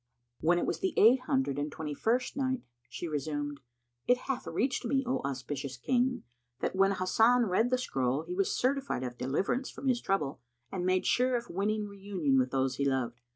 When it was the Eight Hundred and Twenty first Night, She resumed, It hath reached me, O auspicious King, that when Hasan read the scroll he was certified of deliverance from his trouble and made sure of winning reunion with those he loved.